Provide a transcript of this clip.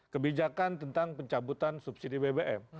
kebijakan tentang pencabutan subsidi bbm